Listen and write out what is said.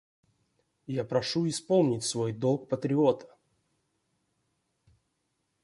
Я прошу исполнить свой долг патриота.